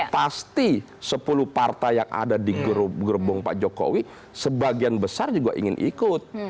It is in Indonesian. pasti sepuluh partai yang ada di gerbong pak jokowi sebagian besar juga ingin ikut